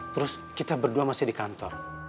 terus kita berdua masih di kantor